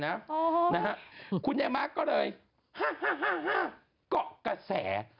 ลีน่าจังลีน่าจังลีน่าจังลีน่าจัง